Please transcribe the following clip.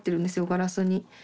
ガラスに。